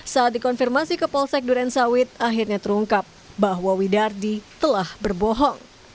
saat dikonfirmasi ke polsek durensawit akhirnya terungkap bahwa widardi telah berbohong